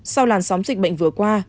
sau làn sóng dịch bệnh vừa qua